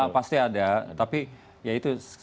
pasti ada tapi ya itu